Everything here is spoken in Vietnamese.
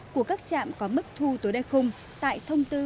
của các trạm có mức thu tối đa khung tại thông tư một trăm năm mươi chín